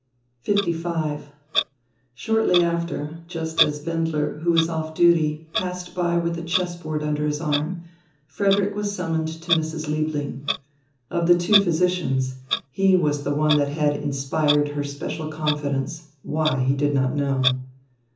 LV Shortly after, just as Wendler, who was off duty, passed by with a chess board under his arm, Frederick was summoned to Mrs. Liebling. Of the two physicians, he was the one that had inspired her special confidence, why, he did not know.